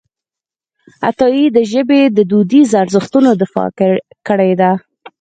عطایي د ژبې د دودیزو ارزښتونو دفاع کړې ده.